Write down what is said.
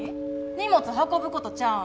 荷物運ぶことちゃうん？